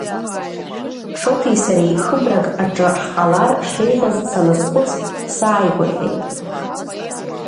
Шоҭеи сареи хыбрак аҿы ҳҟалар шеиӷьыз саназхәыц, сааигәырӷьеит.